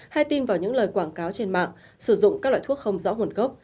hay tin vào những lời quảng cáo trên mạng sử dụng các loại thuốc không rõ nguồn gốc